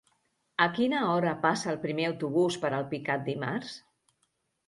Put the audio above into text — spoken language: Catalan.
A quina hora passa el primer autobús per Alpicat dimarts?